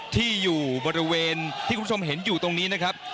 ที่อยู่บริเวณที่คุณผู้ชมเห็นอยู่ตรงนี้นะครับ